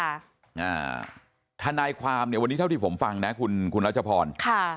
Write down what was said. อ่าทนายความเนี่ยวันนี้เท่าที่ผมฟังนะคุณคุณรัชพรค่ะ